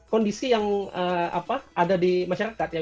kondisi yang ada di masyarakat ya